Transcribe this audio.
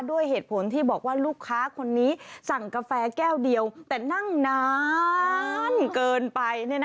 ด้วยเหตุผลที่บอกว่าลูกค้าคนนี้สั่งกาแฟแก้วเดียวแต่นั่งนานเกินไป